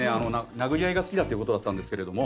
殴り合いが好きだということだったんですけれども。